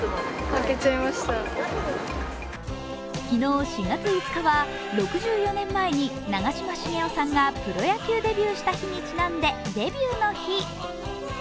昨日４月５日は６４年前に長嶋茂雄さんがプロ野球デビューした日にちなんで、デビューの日。